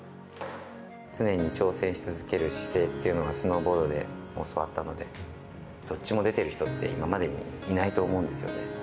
常に挑戦し続ける姿勢っていうのは、スノーボードで教わったので、どっちも出てる人って、今までにいないと思うんですよね。